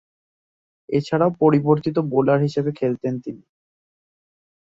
এছাড়াও, পরিবর্তিত বোলার হিসেবে খেলতেন তিনি।